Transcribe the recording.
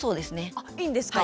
あいいんですか。